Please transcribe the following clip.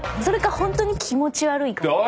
それかほんとに気持ち悪いか。